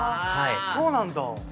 そうなんだ。